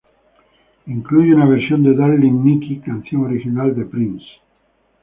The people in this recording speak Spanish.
Incluye una versión de "Darling Nikki", canción original de Prince.